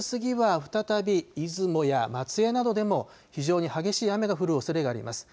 お昼過ぎは再び出雲や松江などでも非常に激しい雨が降るおそれがあります。